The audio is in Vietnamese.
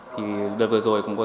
thì đợt vừa rồi cũng có